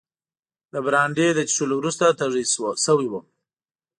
د برانډي له څښلو وروسته تږی شوی وم.